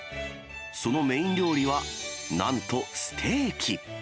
そのメイン料理は、なんとステーキ。